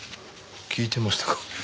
聞いてましたか。